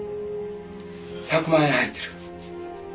１００万円入ってる。